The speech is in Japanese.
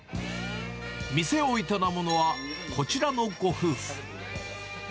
店を営むのは、こちらのご夫婦。